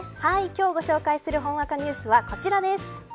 今日ご紹介するほんわかニュースはこちらです。